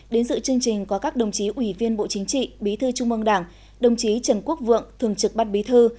đến sự chương trình có các đồng chí ủy viên bộ chính trị bí thư trung mông đảng đồng chí trần quốc vượng thường trực bát bí thư